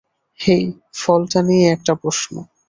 হেই, ফলটা নিয়ে একটা প্রশ্ন।